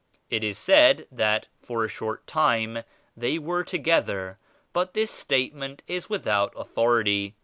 It is said that for a short time they were together but this statement is without authority.